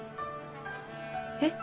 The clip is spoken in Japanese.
えっ？